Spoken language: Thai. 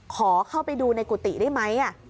ขอเข้าไปดูในกุฏิได้ไหม